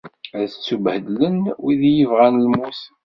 Ad ttubhedlen wid i iyi-ibɣan lmut.